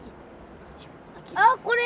あっこれ！